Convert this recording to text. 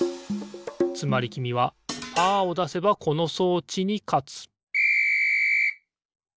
つまりきみはパーをだせばこの装置にかつピッ！